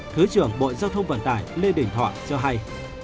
thứ trưởng bộ giao thông vận tải lê đình thọ cho hay